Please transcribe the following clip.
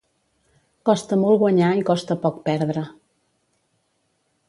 Costa molt guanyar i costa poc perdre.